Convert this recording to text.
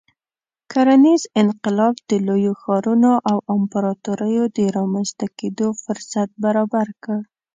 کرنیز انقلاب د لویو ښارونو او امپراتوریو د رامنځته کېدو فرصت برابر کړ.